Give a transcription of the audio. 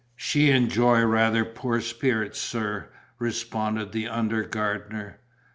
"She enjoy rather poor spirits, sir," responded the under gardener.